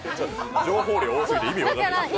情報量多すぎて、意味分からん。